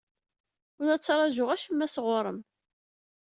Ur la ttṛajuɣ acemma sɣur-m.